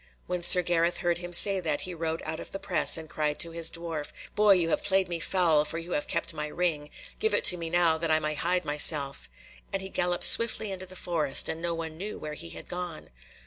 When Sir Gareth heard him say that he rode out of the press, and cried to his dwarf, "Boy, you have played me foul, for you have kept my ring. Give it to me now, that I may hide myself," and he galloped swiftly into the forest, and no one knew where he had gone.